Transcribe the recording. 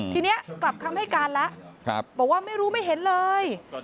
ทีนี้กลับคำให้การแล้วบอกว่าไม่รู้ไม่เห็นเลย